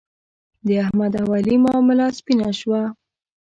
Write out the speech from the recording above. د احمد او علي معامله سپینه شوه.